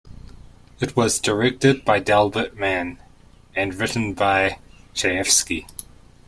It was directed by Delbert Mann and written by Chayefsky.